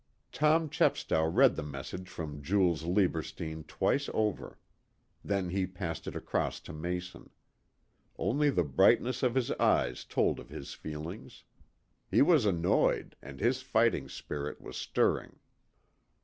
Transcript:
Tom Chepstow read the message from Jules Lieberstein twice over. Then he passed it across to Mason. Only the brightness of his eyes told of his feelings. He was annoyed, and his fighting spirit was stirring.